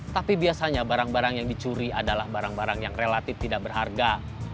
tapi biasanya barang barang yang dicuri adalah barang barang yang relatif tidak berharga